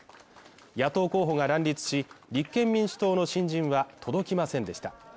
野党候補が乱立し、立憲民主党の新人は届きませんでした。